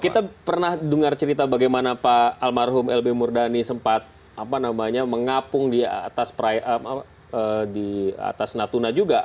kita pernah dengar cerita bagaimana pak almarhum lb murdani sempat mengapung di atas natuna juga